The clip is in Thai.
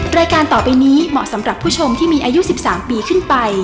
รายการต่อไปนี้เหมาะสำหรับผู้ชมที่มีอายุ๑๓ปีขึ้นไป